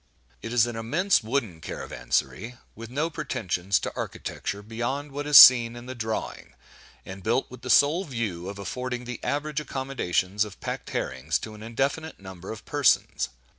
It is an immense wooden caravanserai, with no pretensions to architecture beyond what is seen in the drawing, and built with the sole view of affording the average accommodations of packed herrings to an indefinite number of persons.